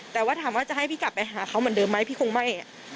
แต่ว่าถามว่าจะให้พี่กลับไปหาเขาเหมือนเดิมไหมพี่คงไม่